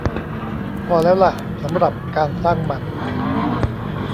พอแล้วล่ะสำหรับการสร้างมัน